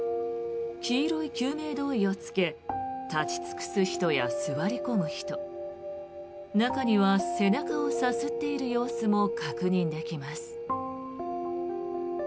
黄色い救命胴衣を着け立ち尽くす人や座り込む人中には背中をさすっている様子も確認できます。